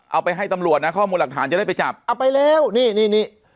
เอาไปให้ตำรวจนะข้อมูลหลักฐานจะได้ไปจับเอาไปแล้วนี่นี่นี่